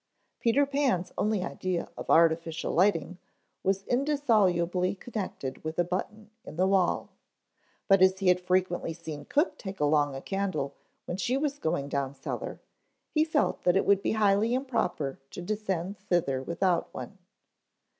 Peter Pan's only idea of artificial lighting was indissolubly connected with a button in the wall. But as he had frequently seen cook take along a candle when she was going down cellar he felt that it would be highly improper to descend thither without one.